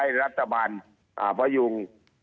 ให้รัฐบาลพยุง